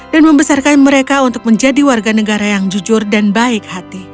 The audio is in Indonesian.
dan membesarkan mereka untuk menjadi warga negara yang jujur dan baik hati